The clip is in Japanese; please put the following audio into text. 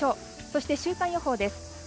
そして週間予報です。